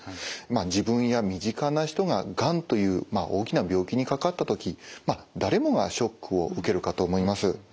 自分や身近な人ががんという大きな病気にかかった時誰もがショックを受けるかと思います。